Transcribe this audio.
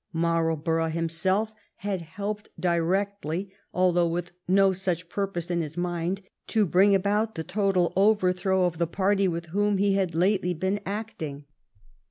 Marlborough himself had helped directly, although with no such purpose in his mind, to bring about the total overthrow of the party with whom he had lately been acting.